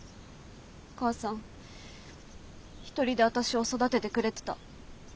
お母さん１人で私を育ててくれてた。